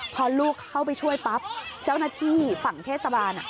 พอลูกเข้าไปช่วยปั๊บเจ้าหน้าที่ฝั่งเทศบาล